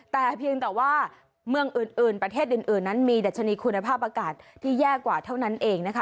แต่เพียงแต่ว่าเมืองอื่นประเทศอื่นนั้นมีดัชนีคุณภาพอากาศที่แย่กว่าเท่านั้นเองนะคะ